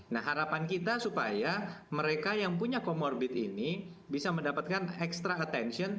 nah harapan kita supaya mereka yang punya comorbid ini bisa mendapatkan extra attention